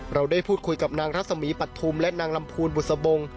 เราได้พูดคุยกับนางรัศมีปัทธุมและนางลำพูนบุษบง